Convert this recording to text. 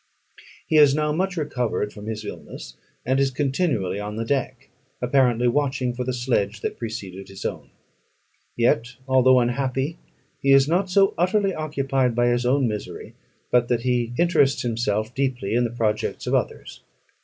He is now much recovered from his illness, and is continually on the deck, apparently watching for the sledge that preceded his own. Yet, although unhappy, he is not so utterly occupied by his own misery, but that he interests himself deeply in the projects of others.